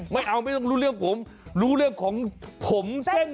ไม่เอาไม่ต้องรู้เรื่องของผม